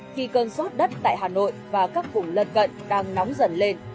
khi cơn sót đất tại hà nội và các vùng lật gận đang nóng dần lên